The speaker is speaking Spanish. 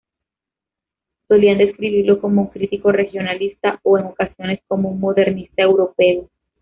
Solían describirlo como un crítico regionalista o en ocasiones como un modernista europeo.